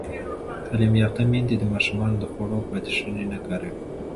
تعلیم یافته میندې د ماشومانو د خوړو پاتې شوني نه کاروي.